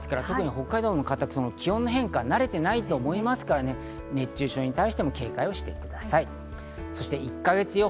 北海道の方、気温の変化に慣れていないと思いますから、熱中症に対しても警戒してください。